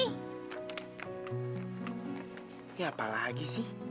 ini apa lagi sih